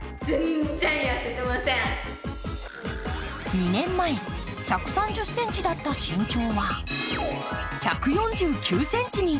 ２年前、１３０ｃｍだった身長は１４９ｃｍに。